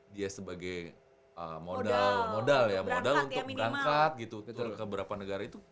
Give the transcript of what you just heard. dia sebagai modal modal ya modal untuk berangkat gitu ke beberapa negara itu